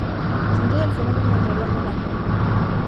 Sin duda, el fenómeno editorial del año.